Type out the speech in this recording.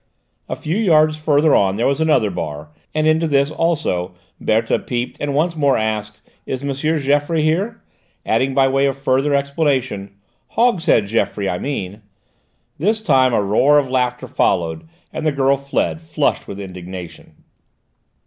A few yards further on there was another bar, and into this, also, Berthe peeped and once more asked, "Is M. Geoffroy here?" adding by way of further explanation, "Hogshead Geoffroy, I mean." This time a roar of laughter followed, and the girl fled, flushed with indignation.